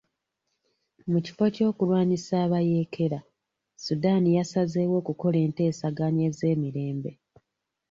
Mu kifo ky'okulwanyisa abayekera, Sudan yasazeewo okukola enteeseganya ez'emirembe.